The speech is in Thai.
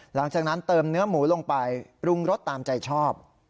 หลังจากนั้นเติมเนื้อหมูลงไปปรุงรสตามใจชอบ